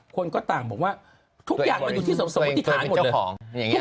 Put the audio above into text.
คนก็ต่างบอกว่าทุกอย่างมันอยู่ที่สมมติฐานหมดเลย